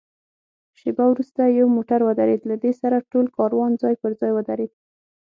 شېبه وروسته یو موټر ودرېد، له دې سره ټول کاروان ځای پر ځای ودرېد.